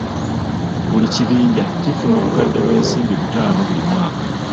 Buli kibinja kifuna obukadde bw'ensimbi butaano buli mwaka.